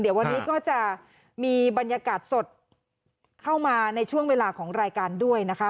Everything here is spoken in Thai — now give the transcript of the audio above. เดี๋ยววันนี้ก็จะมีบรรยากาศสดเข้ามาในช่วงเวลาของรายการด้วยนะคะ